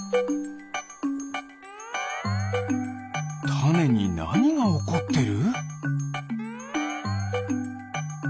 タネになにがおこってる？